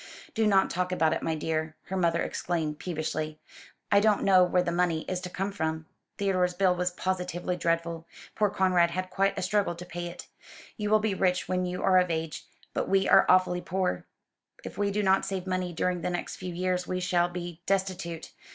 "Do not talk about it, my dear," her mother exclaimed peevishly. "I don't know where the money is to come from. Theodore's bill was positively dreadful. Poor Conrad had quite a struggle to pay it. You will be rich when you are of age, but we are awfully poor. If we do not save money during the next few years we shall be destitute.